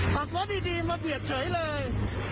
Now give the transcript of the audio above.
ขับรถดีมาเบียดเฉยเลย